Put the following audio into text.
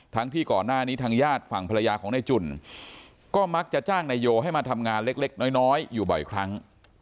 ที่ก่อนหน้านี้ทางญาติฝั่งภรรยาของนายจุ่นก็มักจะจ้างนายโยให้มาทำงานเล็กน้อยอยู่บ่อยครั้ง